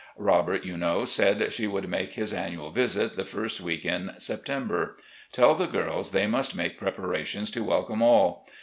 Robert, you know, said he would make his annual visit the first week in September. Tell the girls they must make preparations to welcome all.